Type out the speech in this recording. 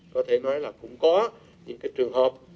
có thể nói là cũng có những trường hợp